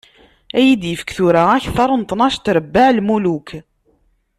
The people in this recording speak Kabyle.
Ad yi-d-yefk tura akteṛ n tnac n trebbaɛ n lmuluk.